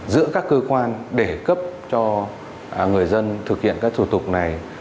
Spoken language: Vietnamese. giữa các cơ quan để cấp cho người dân thực hiện các thủ tục này